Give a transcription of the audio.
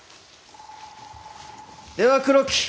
では黒木。